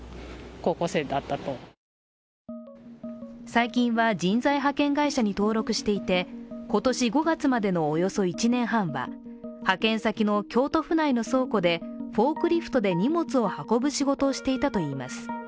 最近は、人材派遣会社に登録していて、今年５月までのおよそ１年半は派遣先の京都府内の倉庫でフォークリフトで荷物を運ぶ仕事をしていたといいます。